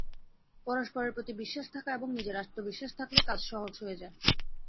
পরস্পরের প্রতি বিশ্বাস থাকা এবং নিজের আত্মবিশ্বাস থাকলে কাজ সহজ হয়ে যায়।